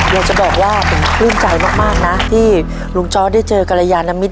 อยากจะบอกว่าผมปลื้มใจมากนะที่ลุงจอร์ดได้เจอกรยานมิตร